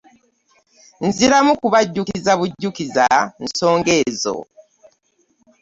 Nziramu kubajjukiza bujjukiza nsonga ezo.